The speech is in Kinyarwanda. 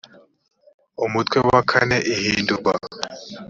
umutwe wa kane ihindurwa